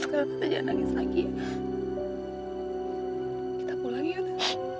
sekarang tante jangan nangis lagi ya kita pulang ya tante